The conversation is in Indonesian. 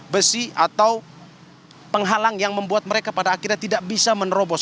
besi atau penghalang yang membuat mereka pada akhirnya tidak bisa menerobos